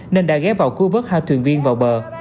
nên đã ghé vào cú vớt hai thuyền viên vào bờ